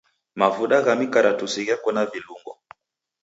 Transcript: Mavuda gha mikaratusi gheko na vilungo.